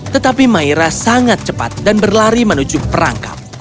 tetapi maira sangat cepat dan berlari menuju perangkap